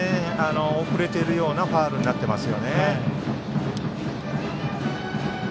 遅れているようなファウルになっています。